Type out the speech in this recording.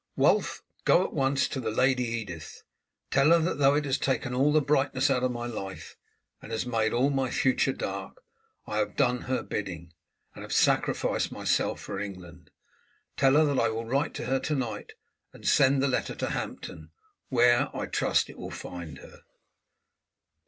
"Wulf, go at once to the Lady Edith. Tell her that though it has taken all the brightness out of my life, and has made all my future dark, I have done her bidding, and have sacrificed myself for England. Tell her that I will write to her to night, and send the letter to Hampton, where, I trust, it will find her."